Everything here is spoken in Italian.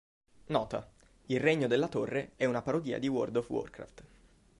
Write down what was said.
Nota: Il Regno della Torre è una parodia di World of Warcraft.